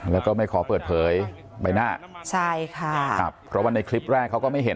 แล้วก็ไม่ขอเปิดเผยใบหน้าใช่ค่ะครับเพราะว่าในคลิปแรกเขาก็ไม่เห็น